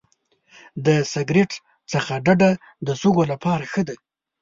د سګرټ څخه ډډه د سږو لپاره ښه ده.